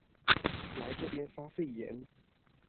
來這邊發廢言